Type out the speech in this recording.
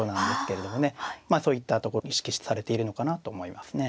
まあそういったとこ意識されているのかなと思いますね。